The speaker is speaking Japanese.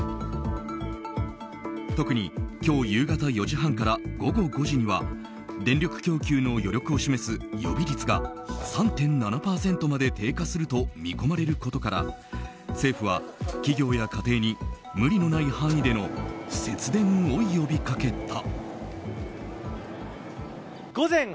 特に、今日夕方４時半から午後５時には電力供給の余力を示す予備率が３．７％まで低下すると見込まれることから政府は、企業や家庭に無理のない範囲での節電を呼びかけた。